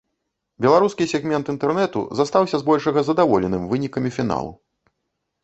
Беларускі сегмент інтэрнэту застаўся збольшага задаволеным вынікамі фіналу.